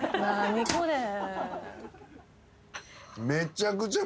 めちゃくちゃ。